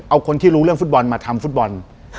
เอาคนที่รู้เรื่องฟุตบอลมาทำฟุตบอล